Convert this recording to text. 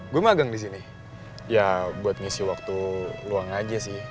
gua magang disini ya buat ngisi waktu luang aja sih